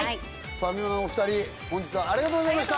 ファミマのお二人本日はありがとうございました。